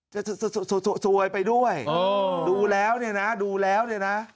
จะสวยไปด้วยดูแล้วเนี่ยนะ